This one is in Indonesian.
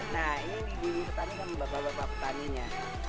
nah ini ibu ibu petani sama bapak bapak petaninya